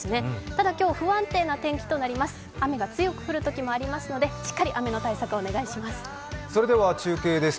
ただ今日、不安定な天気となります雨が強く降るときもありますので、しっかり雨の対策をお願いします。